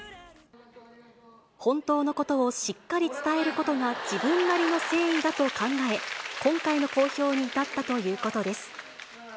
本当のことをしっかり伝えることが自分なりの誠意だと考え、今回の公表に至ったということです。